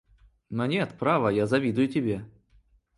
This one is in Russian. Но нет, право, я завидую тебе.